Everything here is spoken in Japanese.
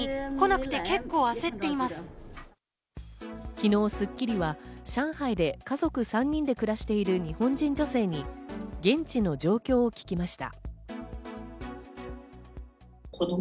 昨日『スッキリ』は上海で家族３人で暮らしている日本人女性に現地の状況を聞きました。